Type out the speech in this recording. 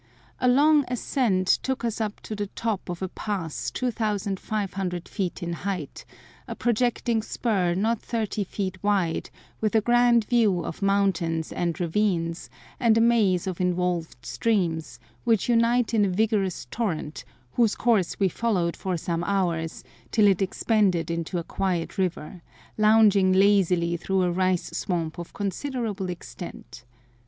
A long ascent took us to the top of a pass 2500 feet in height, a projecting spur not 30 feet wide, with a grand view of mountains and ravines, and a maze of involved streams, which unite in a vigorous torrent, whose course we followed for some hours, till it expanded into a quiet river, lounging lazily through a rice swamp of considerable extent.